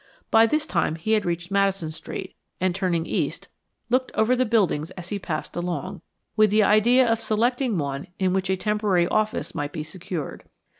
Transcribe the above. By this time he had reached Madison Street, and turning east, looked over the buildings as he passed along, with the idea of selecting one in which a temporary office might be secured.